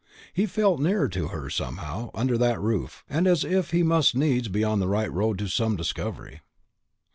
He felt nearer to her, somehow, under that roof, and as if he must needs be on the right road to some discovery.